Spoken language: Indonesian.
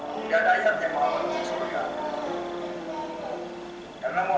tidak ada ayatnya muhammad di surga